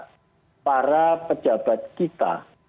saya kira para pejabat kita